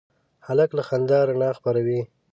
هلک له خندا رڼا خپروي.